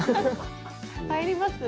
入ります？